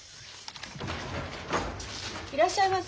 いらっしゃいませ。